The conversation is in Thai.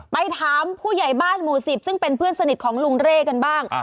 ไปถามผู้ใหญ่บ้านหมู่๑๐ซึ่งเป็นเพื่อนสนิทของลุงเร่กันบ้าง